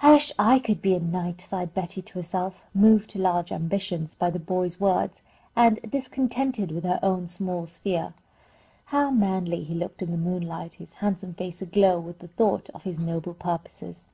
"I wish I could be a knight," sighed Betty to herself, moved to large ambitions by the boy's words, and discontented with her own small sphere. How manly he looked in the moonlight, his handsome face aglow with the thought of his noble purposes!